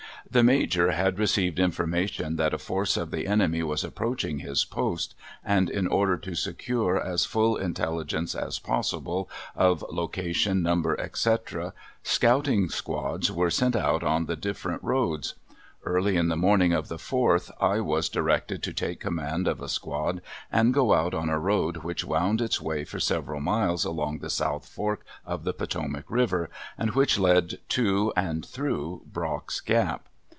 The Major had received information that a force of the enemy was approaching his post, and in order to secure as full intelligence as possible of location, number, etc., scouting squads were sent out on the different roads. Early on the morning of the 4th I was directed to take command of a squad and go out on a road which wound its way for several miles along the south fork of the Potomac river and which led to and through Brock's Gap.